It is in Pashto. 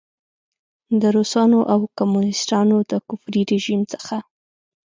د روسانو او کمونیسټانو د کفري رژیم څخه.